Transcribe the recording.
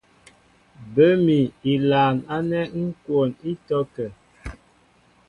Bə́ mi ilaan ánɛ́ ŋ́ kwoon ítɔ́kə̂.